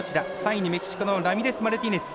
３位にメキシコのラミレスマルティネス。